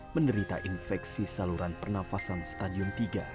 menderita infeksi saluran pernafasan stadium tiga